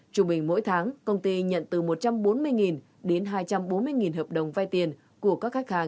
trung bình mỗi tháng công ty nhận từ một trăm bốn mươi đến hai trăm bốn mươi hợp đồng vai tiền của các khách hàng